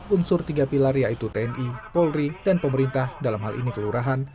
unsur tiga pilar yaitu tni polri dan pemerintah dalam hal ini kelurahan